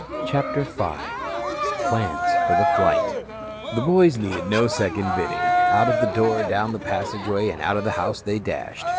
CHAPTER V PLANS FOR THE FLIGHT The boys needed no second bidding. Out of the door, down the passageway, and out of the house, they dashed.